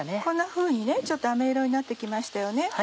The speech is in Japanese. こんなふうにちょっとあめ色になって来ましたよね。